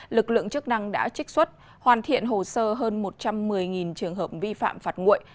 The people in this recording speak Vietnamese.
lực lượng chức năng đã trích xuất hoàn thiện hồ sơ hơn một trăm một mươi trường hợp vi phạm phạt nguội